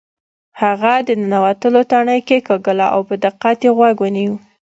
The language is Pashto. هغه د ننوتلو تڼۍ کیکاږله او په دقت یې غوږ ونیو